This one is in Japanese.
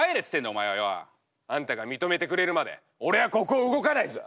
お前はよ。あんたが認めてくれるまで俺はここを動かないぞ！